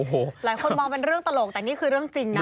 หลายคนมองเป็นเรื่องตลกแต่นี่คือเรื่องจริงนะ